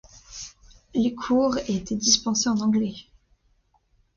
Les cours étaient dispensés en anglais.